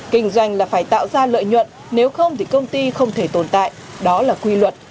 kinh doanh là phải tạo ra lợi nhuận nếu không thì công ty không thể tồn tại đó là quy luật